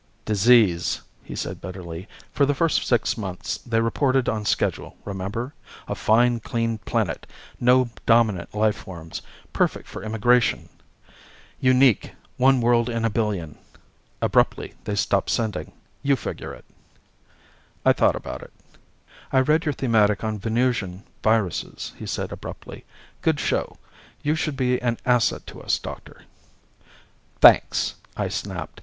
"Disease," he said bitterly. "For the first six months they reported on schedule, remember? A fine clean planet, no dominant life forms, perfect for immigration; unique, one world in a billion. Abruptly they stopped sending. You figure it." I thought about it. "I read your thematic on Venusian viruses," he said abruptly. "Good show. You should be an asset to us, Doctor." "Thanks!" I snapped.